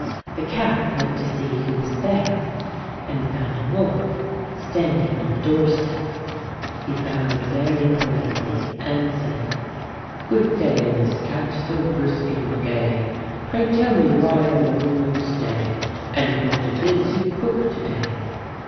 The cat went to see who was there and found a wolf standing on the doorstep. He bowed very politely and said: — "Good day, Miss Cat, so brisk and gay, Pray, tell me why alone you stay And what it is you cook to day?